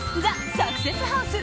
ＴＨＥサクセスハウス